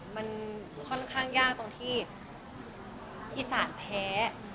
มันค่อนข้างยากตรงที่อีสานแพ้